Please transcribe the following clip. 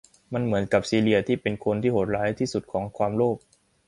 มันเหมือนกับซีเลียเป็นคนที่โหดร้ายที่สุดของความโลภ